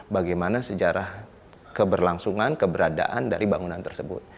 bagaimana sejarah keberlangsungan keberadaan dari bangunan tersebut